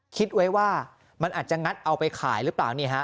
คิดไว้ว่ามันอาจจะงัดเอาไปขายหรือเปล่า